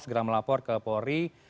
segera melapor ke polri